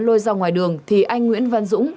lôi ra ngoài đường thì anh nguyễn văn dũng